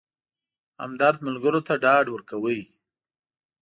همدرد ملګرو ته ډاډ ورکاوه.